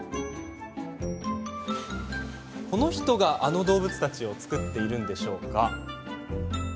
この人が、あの動物たちを作っているのでしょうか？